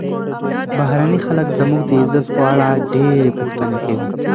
بهرني خلک زموږ د عزت په اړه ډېرې پوښتنې کوي.